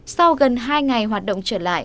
sau gần hai ngày hoạt động trở lại